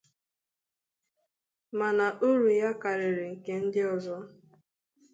Mana úrù ya kàrịrị nke ndi ọzọ